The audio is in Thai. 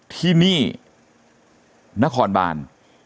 ที่นี่นครบาน